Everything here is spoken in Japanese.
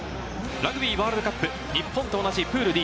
ラグビーワールドカップ、日本と同じプールＤ。